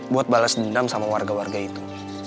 buat balas dendam sama warga warga itu